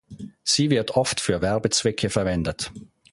Sie wird oft für Werbezwecke verwendet.